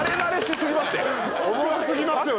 おもろ過ぎますよね。